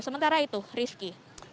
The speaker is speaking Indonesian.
sementara itu rizky